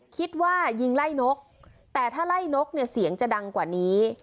คิดว่ายิงไล่นกแต่ถ้าไล่นกเนี่ยเสียงจะดังกว่านี้